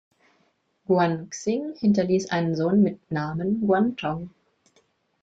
Guan Xing hinterließ einen Sohn mit Namen Guan Tong.